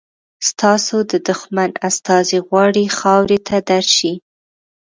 ستاسو د دښمن استازی غواړي خاورې ته درشي.